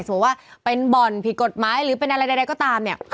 สมมุติว่าเป็นบ่อนผิดกฎหมายหรือเป็นอะไรใดก็ตามเนี่ย